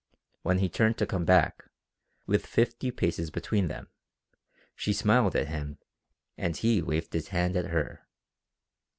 When he turned to come back, with fifty paces between them, she smiled at him and he waved his hand at her.